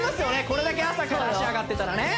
これだけ朝から脚上がってたらね